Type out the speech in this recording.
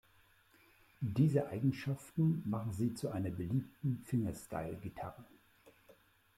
Diese Eigenschaften machen sie zu einer beliebten Fingerstyle-Gitarre.